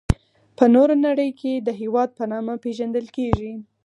په نوره نړي کي د هیواد په نامه پيژندل کيږي.